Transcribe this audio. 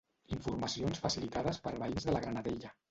Informacions facilitades per veïns de la Granadella.